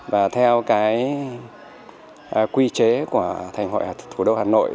và theo cái quy chế của thành hội thủ đô hà nội